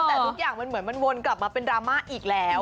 แต่ทุกอย่างมันเหมือนมันวนกลับมาเป็นดราม่าอีกแล้ว